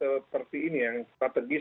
seperti ini yang strategis